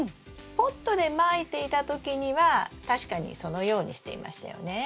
ポットでまいていた時には確かにそのようにしていましたよね。